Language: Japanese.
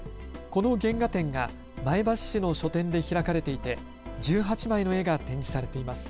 この原画展が前橋市の書店で開かれていて１８枚の絵が展示されています。